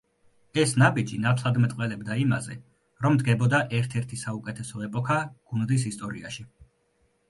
ეს ნაბიჯი ნათლად მეტყველებდა იმაზე, რომ დგებოდა ერთ-ერთი საუკეთესო ეპოქა გუნდის ისტორიაში.